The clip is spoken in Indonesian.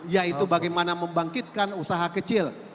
yaitu bagaimana membangkitkan usaha kecil